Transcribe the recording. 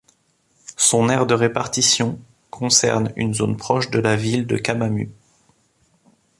Son aire de répartition concerne une zone proche de la ville de Camamu.